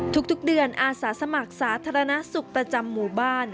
ทุกเดือนอาสาสมัครสาธารณสุขประจำหมู่บ้าน